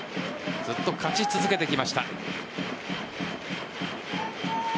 ずっと勝ち続けてきました。